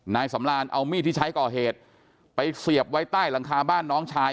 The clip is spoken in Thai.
นายสำรานเอามีดที่ใช้ก่อเหตุไปเสียบไว้ใต้หลังคาบ้านน้องชาย